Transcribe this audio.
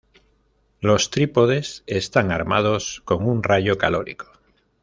Los trípodes están armados con un rayo calórico.